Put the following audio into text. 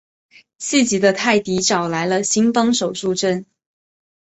气急的泰迪找来了新帮手助阵。